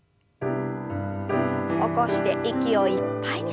起こして息をいっぱいに吸いましょう。